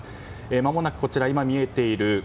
まもなく今見えている